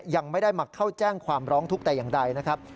ยังไม่ได้มาเข้าแจ้งความร้องทุกข์แต่อย่างใดนะครับ